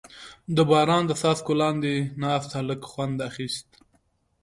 • د باران د څاڅکو لاندې ناست هلک خوند اخیست.